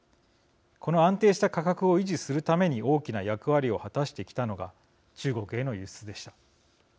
この安定した価格を維持するために大きな役割を果たしてきたのが中国への輸出でした。